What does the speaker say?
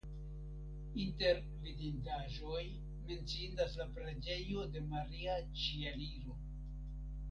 Inter vidindaĵoj menciindas la preĝejo de Maria Ĉieliro.